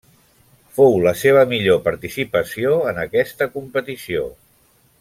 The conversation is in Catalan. Fou la seva millor participació en aquesta competició.